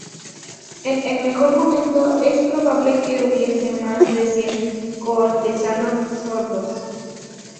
En el mejor momento es probable que hubiese más de cien cortesanos sordos.